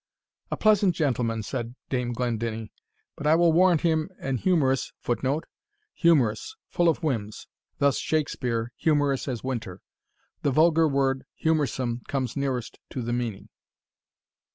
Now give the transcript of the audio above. "A pleasant gentleman," said Dame Glendinning; "but I will warrant him an humorous [Footnote: Humorous full of whims thus Shakspeare, "Humorous as winter." The vulgar word humorsome comes nearest to the meaning.